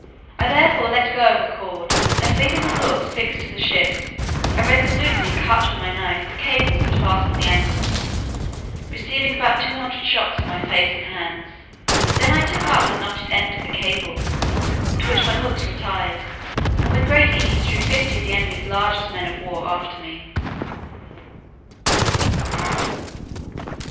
I therefore let go the cord, and leaving the hooks fixed to the ships, I resolutely cut with my knife the cables that fastened the anchors, receiving about two hundred shots in my face and hands; then I took up the knotted end of the cables, to which my hooks were tied, and with great ease drew fifty of the enemy's largest men of war after me.